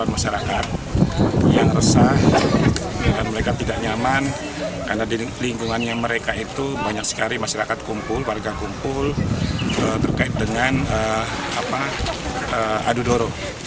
mereka tidak nyaman karena di lingkungannya mereka itu banyak sekali masyarakat kumpul warga kumpul terkait dengan adu doro